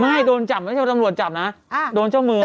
ไม่โดนจับไม่ใช่ว่าตำรวจจับนะโดนเจ้ามือ